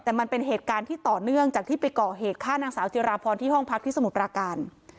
แต่มันเป็นเหตุการณ์ที่ต่อเนื่องจากที่ไปก่อเหตุฆ่านางสาวจิราพรที่ห้องพักที่สมุทรปราการ